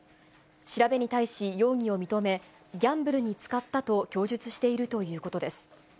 調べに対し、容疑を認め、ギャンブルに使ったと供述しているということです。